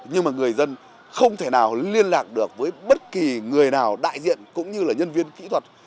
nhưng mà người dân không thể nào liên lạc được với bất kỳ người nào đại diện cũng như là nhân viên kỹ thuật